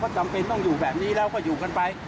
จำเป็นต้องอยู่แบบนี้แล้วก็อยู่กันไป